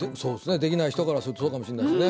できない人からするとそうかもしれないですね。